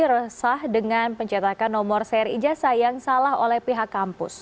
resah dengan pencetakan nomor seri ijazah yang salah oleh pihak kampus